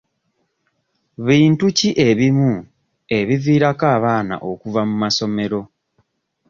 Bintu ki ebimu ebiviirako abaana okuva mu masomero?